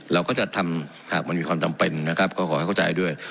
เราก็จะทำหากมันมีความจำเป็นนะครับก็ขอให้เข้าใจด้วย